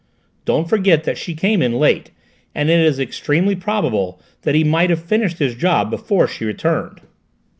Don't forget that she came in late, and it is extremely probable that he might have finished his job before she returned."